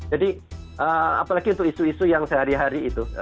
jadi apalagi untuk isu isu yang sehari hari itu